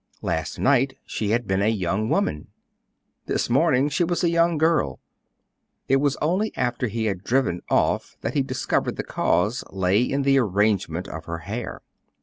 Last night she had been a young woman; this morning she was a young girl; it was only after he had driven off that he discovered the cause lay in the arrangement of her hair.